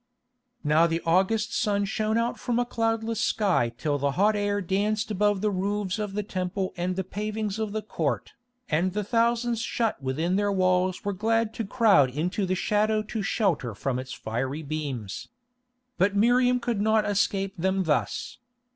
Now the August sun shone out from a cloudless sky till the hot air danced above the roofs of the Temple and the pavings of the courts, and the thousands shut within their walls were glad to crowd into the shadow to shelter from its fiery beams. But Miriam could not escape them thus.